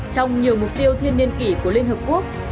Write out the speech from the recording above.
trong nhiều mục tiêu thiên niên kỷ của liên hợp quốc